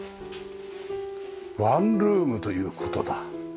ワンルームという事だ。